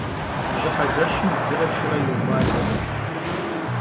Bjıhe jjeşım vıre şşıre yok'uade.